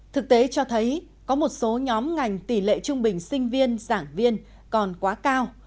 thực tế cho thấy có một số nhóm ngành tỷ lệ trung bình sinh viên giảng viên còn quá cao